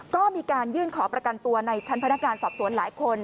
ก็มีการยื่นขอประกันตัวในชั้นพนักงานสอบสวนหลายคน